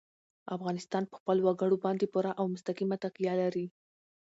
افغانستان په خپلو وګړي باندې پوره او مستقیمه تکیه لري.